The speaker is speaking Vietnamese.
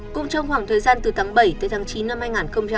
cũng trong khoảng thời gian từ tháng bảy tới tháng chín năm hai nghìn hai mươi